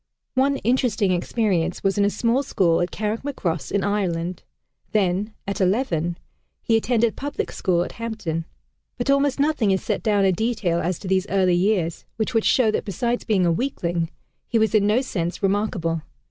One interesting experience was in a small school at Carrickmacross in Ireland; then, at eleven, he attended public school at Hampton. But almost nothing is set down in detail as to these early years, which would show that besides being a weakling, he was in no sense remarkable.